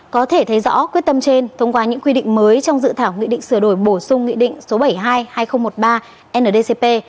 có thể thấy rõ quyết tâm trên thông qua những quy định mới trong dự thảo nghị định sửa đổi bổ sung nghị định số bảy mươi hai hai nghìn một mươi ba ndcp